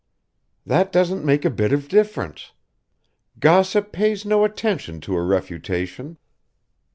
"That doesn't make a bit of difference. Gossip pays no attention to a refutation.